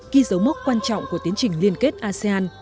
ghi dấu mốc quan trọng của tiến trình liên kết asean